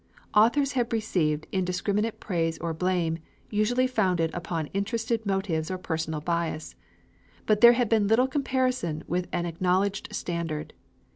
Authors had received indiscriminate praise or blame, usually founded upon interested motives or personal bias; but there had been little comparison with an acknowledged standard.